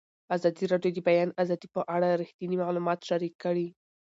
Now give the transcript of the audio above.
ازادي راډیو د د بیان آزادي په اړه رښتیني معلومات شریک کړي.